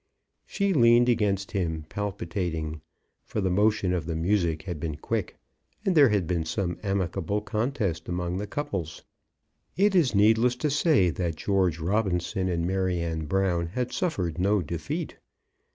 She leaned against him palpitating, for the motion of the music had been quick, and there had been some amicable contest among the couples. It is needless to say that George Robinson and Maryanne Brown had suffered no defeat.